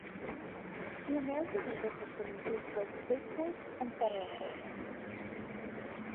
The American legal system includes both state courts and federal courts.